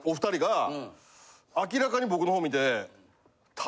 明らかに僕の方見て。